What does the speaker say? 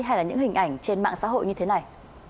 hay là những hình ảnh trên mạng xã hội như thế này